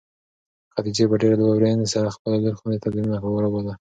خدیجې په ډېرې لورېنې سره خپله لور خونې ته د ننه راوبلله.